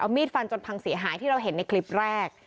มีดฟันจนพังเสียหายที่เราเห็นในคลิปแรก